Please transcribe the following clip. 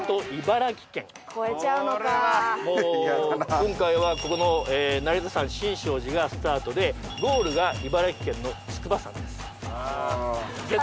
今回はここの成田山新勝寺がスタートでゴールが茨城県の筑波山です。